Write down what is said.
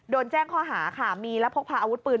โดนแจ้งข้อหาค่ะมีและพกพาอาวุธปืน